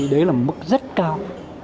đấy là mức rất cao